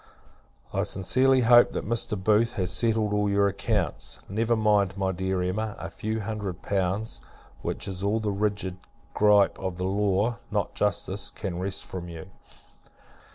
I sincerely hope, that Mr. Booth has settled all your accounts. Never mind, my dear Emma, a few hundred pounds; which is all the rigid gripe of the law, not justice, can wrest from you.